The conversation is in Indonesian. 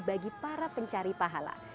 bagi para pencari pahala